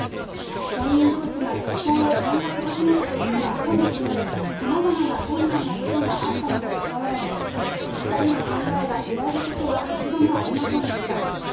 本人どうしが結婚を考え始めたときから本日まで、さまざまな困難なことがあったにもかかわらず、２人の考えが揺らぐことは一度もありませんでした。